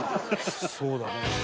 そうだね。